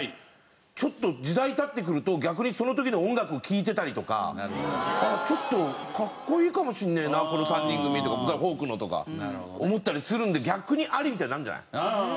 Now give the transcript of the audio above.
ちょっと時代経ってくると逆にその時の音楽を聴いてたりとかあっちょっとかっこいいかもしんねえなこの３人組とかフォークのとか思ったりするんで逆にアリみたいになるんじゃない？